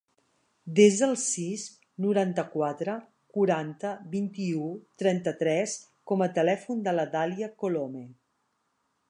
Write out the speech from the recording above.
Desa el sis, noranta-quatre, quaranta, vint-i-u, trenta-tres com a telèfon de la Dàlia Colome.